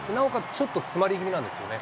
ちょっと詰まりぎみなんですよね。